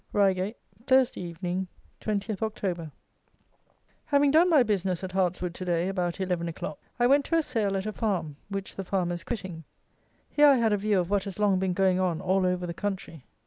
Reigate, Thursday Evening, 20th October. Having done my business at Hartswood to day about eleven o'clock, I went to a sale at a farm, which the farmer is quitting. Here I had a view of what has long been going on all over the country.